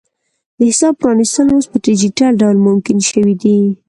د حساب پرانیستل اوس په ډیجیټل ډول ممکن شوي دي.